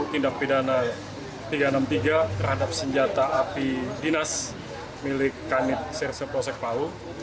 tindak pidana tiga ratus enam puluh tiga terhadap senjata api dinas milik kanit serse polsek pau